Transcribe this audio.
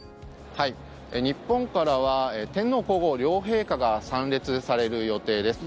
日本からは天皇・皇后両陛下が参列される予定です。